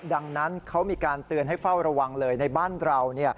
ดังนั้นเขามีการเตือนให้เฝ้าระวังเลยในบ้านเรา